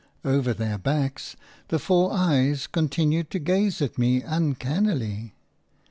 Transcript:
Over their backs the four eyes continued to gaze at me uncannily.